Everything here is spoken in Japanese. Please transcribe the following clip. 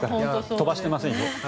飛ばしていませんよ。